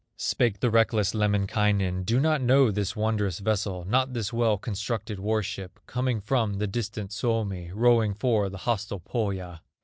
Spake the reckless Lemminkainen: "Do not know this wondrous vessel, Not this well constructed war ship, Coming from the distant Suomi, Rowing for the hostile Pohya."